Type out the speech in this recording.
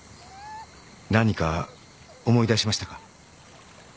何か思い出しましたか？